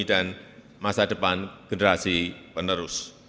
dan masa depan generasi penerus